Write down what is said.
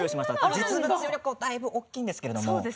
実物より、だいぶ大きいんですけれども。